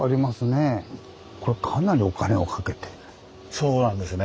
そうなんですね。